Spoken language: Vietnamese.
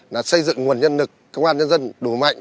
là xây dựng nguồn nhân lực công an nhân dân đủ mạnh